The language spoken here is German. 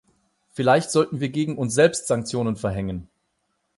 Vielleicht sollten wir gegen uns selbst Sanktionen verhängen!